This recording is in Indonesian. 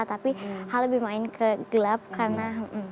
tapi hal lebih main ke gelap karena